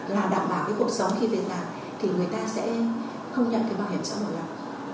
là đảm bảo cái cuộc sống khi về tàn thì người ta sẽ không nhận cái bảo hiểm trang hội nào